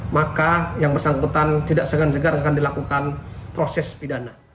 maka yang bersangkutan tidak segan segar akan dilakukan proses pidana